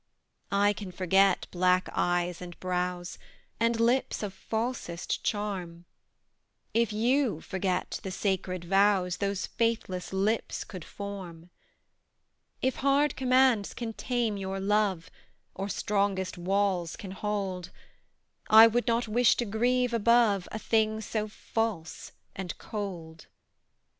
I can forget black eyes and brows, And lips of falsest charm, If you forget the sacred vows Those faithless lips could form. If hard commands can tame your love, Or strongest walls can hold, I would not wish to grieve above A thing so false and cold.